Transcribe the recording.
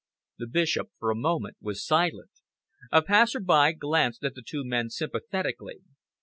The Bishop for a moment was silent. A passer by glanced at the two men sympathetically.